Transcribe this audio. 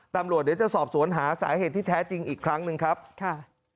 ตำรวจเดี๋ยวจะสอบสวนหาสาเหตุที่แท้จริงอีกครั้งหนึ่งครับค่ะ